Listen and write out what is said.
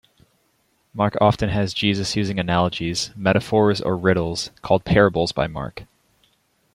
Mark often has Jesus using analogies, metaphors or riddles, called parables by Mark.